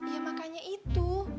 ya makanya itu